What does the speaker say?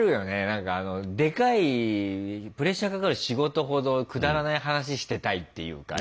何かでかいプレッシャーかかる仕事ほどくだらない話してたいっていうか。